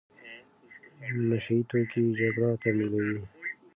نشه يي توکي جګړه تمویلوي.